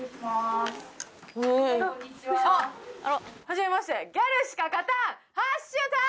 はじめまして。